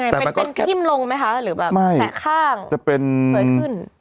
เป็นยังไงเป็นลงไหมคะหรือแบบไม่แผ่งข้างจะเป็นเผยขึ้น